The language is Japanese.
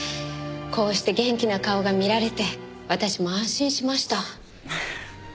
こうして元気な顔が見られて私も安心しました。